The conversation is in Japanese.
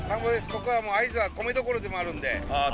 ここは会津は米どころでもあるんでああ